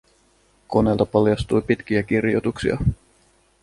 Koneelta paljastui pitkiä kirjoituksia.